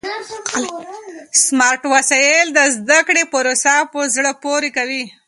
سمارټ وسایل د زده کړې پروسه په زړه پورې کوي.